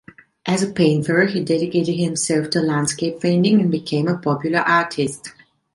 As a painter, he dedicated himself to landscape painting and became a popular artist.